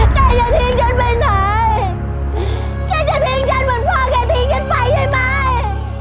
แกจะทิ้งฉันไปไหนแกจะทิ้งฉันเหมือนพ่อแกทิ้งฉันไปใช่ไหม